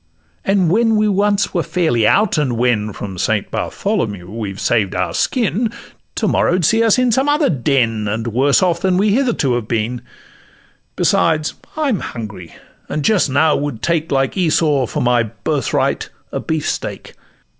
And when we once were fairly out, and when From Saint Bartholomew we have saved our skin, To morrow 'd see us in some other den, And worse off than we hitherto have been; Besides, I'm hungry, and just now would take, Like Esau, for my birthright a beef steak.